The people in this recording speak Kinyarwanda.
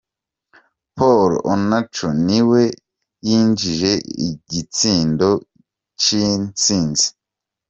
Paul Onuachu, ni we yinjije igitsindo c’intsinzi.